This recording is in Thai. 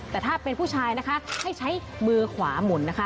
แต่ถ้าเป็นผู้ชายนะคะให้ใช้มือขวาหมุนนะคะ